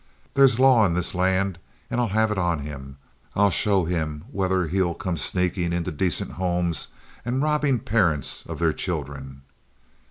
There's law in this land, and I'll have it on him. I'll show him whether he'll come sneakin' into dacent homes and robbin' parents of their children."